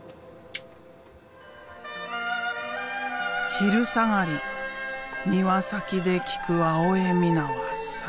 昼下がり庭先で聴く青江三奈は最高だ。